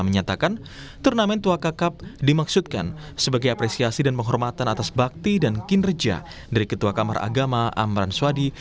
menyatakan turnamen tua kakap dimaksudkan sebagai apresiasi dan penghormatan atas bakti dan kinerja dari ketua kamar agama amran swadi